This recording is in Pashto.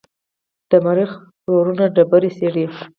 د مریخ روورونه ډبرې څېړي.